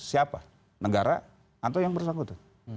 siapa negara atau yang bersangkutan